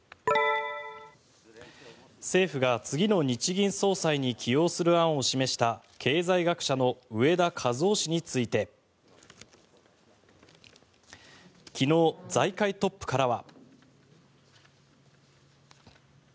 政府が次の日銀総裁に起用する案を示した経済学者の植田和男氏について昨日、財界トップからは。